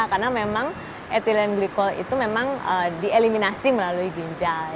karena memang ethylenglikol itu memang dieliminasi melalui ginjal